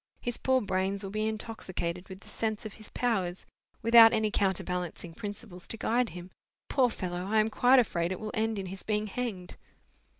His poor brains will be intoxicated with the sense of his powers, without any counterbalancing principles to guide him. Poor fellow! I am quite afraid it will end in his being hanged!"